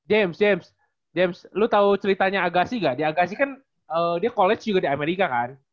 james james james lu tau ceritanya agassi gak di agassi kan dia college juga di amerika kan